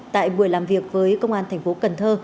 tại buổi làm việc với công an thành phố cần thơ